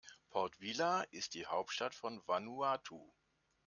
Port Vila ist die Hauptstadt von Vanuatu.